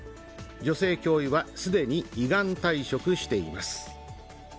女性教諭は既に依願退職しています。